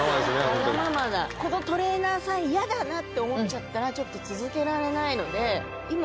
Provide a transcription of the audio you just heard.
ホントにこのトレーナーさん嫌だなって思っちゃったらちょっと続けられないので今